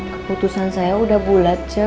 contohnya sih yang maksudnya